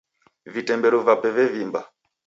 Vitemberu vape vevimba.